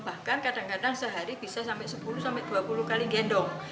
bahkan kadang kadang sehari bisa sampai sepuluh dua puluh kali gendong